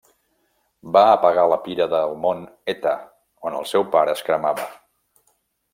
Va apagar la pira del Mont Eta, on el seu pare es cremava.